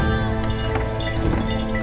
jauh dari kami